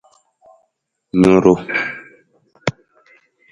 Nurung.